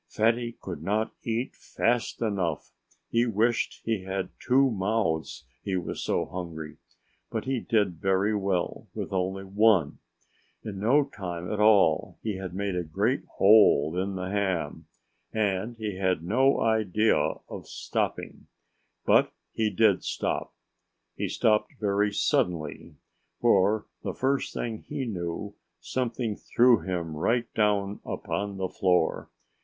Fatty could not eat fast enough. He wished he had two mouths he was so hungry. But he did very well, with only ONE. In no time at all he had made a great hole in the ham. And he had no idea of stopping. But he did stop. He stopped very suddenly. For the first thing he knew, something threw him right down upon the floor.